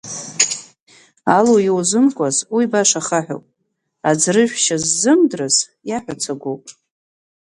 Алу иузымкәаз уи баша хаҳәуп, аӡрыжәшьа ззымдырыз иаҳәа цагәуп.